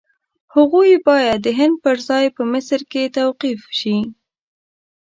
هغوی باید د هند پر ځای په مصر کې توقیف شي.